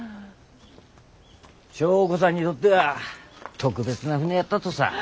祥子さんにとっては特別な船やったとさ。